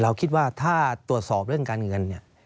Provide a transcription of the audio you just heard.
เราคิดว่าท่าตรวจสอบเรื่องการเงิน